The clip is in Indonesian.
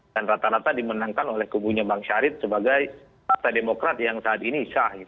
dan rata rata dimenangkan oleh kubunya bang syarif sebagai partai demokrat yang saat ini syah